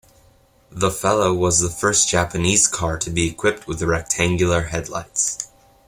The Fellow was the first Japanese car to be equipped with rectangular headlights.